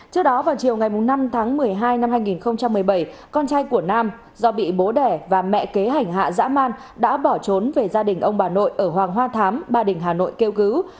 trước đó vào chiều ngày năm tháng một mươi hai năm hai nghìn một mươi bảy con trai của nam do bị bố đẻ và mẹ kế hành hạ dã man đã bỏ trốn về gia đình ông bà nội ở hoàng hoa thám ba đình hà nội kêu cứu